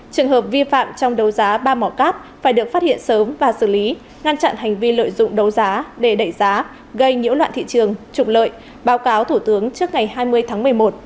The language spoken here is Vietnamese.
trường hợp vi phạm trong đấu giá ba mỏ cát phải được phát hiện sớm và xử lý ngăn chặn hành vi lợi dụng đấu giá để đẩy giá gây nhiễu loạn thị trường trục lợi báo cáo thủ tướng trước ngày hai mươi tháng một mươi một